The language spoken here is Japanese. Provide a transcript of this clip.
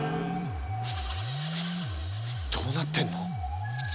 どうなってんの？